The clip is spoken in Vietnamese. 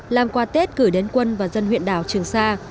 làm quà tết gửi đến quân và dân huyện đảo trường sa